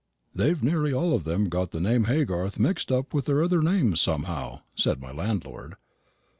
"They've nearly all of them got the name of Haygarth mixed up with their other names somehow," said my landlord.